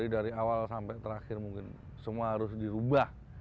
dari awal sampai terakhir mungkin semua harus dirubah